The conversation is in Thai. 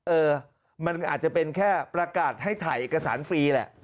เออมันอาจจะเป็นแค่ประกาศให้ถ่ายเอกสารฟรีแหละ